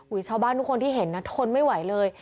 ชาวบ้านทุกคนที่เห็นนะทนไม่ไหวเลย